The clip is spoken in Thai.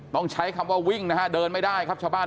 ต้องใช้คำว่าวิ่งนะฮะเดินไม่ได้ครับชาวบ้าน